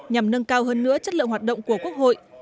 nhằm nâng cao hơn nữa chất lượng hoạt động của quốc hội